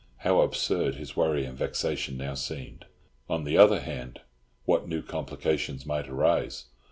How absurd his worry and vexation now seemed. On the other hand, what new complications might arise?